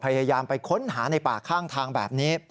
พยายามไปค้นหาในป่าข้างทางแบบนี้